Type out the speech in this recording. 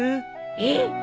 えっ！